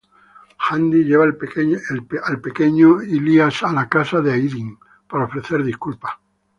Hamdi lleva al pequeño İlyas a la casa de Aydin para ofrecer disculpas.